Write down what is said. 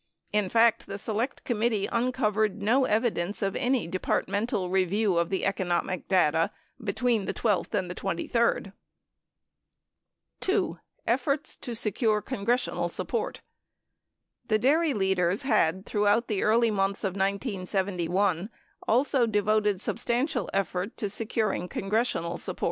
In fact, the Select Committee uncovered no evidence of any departmental review of the economic data bet ween the 12th and the 23d. 2. EFFORTS TO SECURE CONGRESSIONAL SUPPORT The dairy leaders had, throughout the early months of 1971, also devoted substantial effort to securing congressional support with the 1 Townsend.